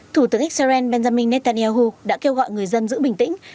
thủ tướng israel benjamin netanyahu đã kêu gọi người dân giữ bình tĩnh